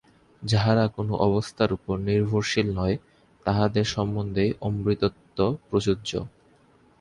যাহারা কোন অবস্থার উপর নির্ভরশীল নয়, তাহাদের সম্বন্ধেই অমৃতত্ব প্রযোজ্য।